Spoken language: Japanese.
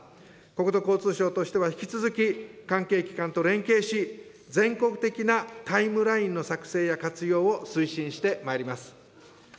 国土交通省としては、引き続き関係機関と連携し、全国的なタイムラインの作成や活用を推進してまいります。